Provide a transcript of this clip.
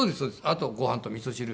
あとはご飯とみそ汁。